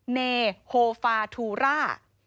เนโฮฟาทูร่า